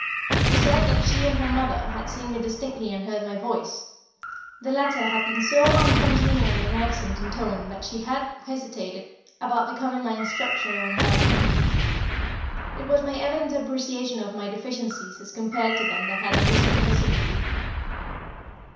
She said that she and her mother had seen me distinctly and heard my voice. The latter had been so uncongenial in accent and tone that she had hesitated about becoming my instructor on that account. It was my evident appreciation of my deficiencies as compared to them that had enlisted her sympathy.